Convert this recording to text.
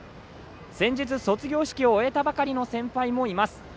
先日、卒業式を終えたばかりの先輩もいます。